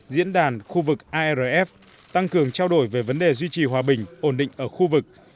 diễn đàn khu vực arf tăng cường trao đổi về vấn đề duy trì hòa bình ổn định ở khu vực